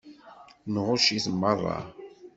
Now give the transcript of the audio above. Nɣucc-it meṛṛa.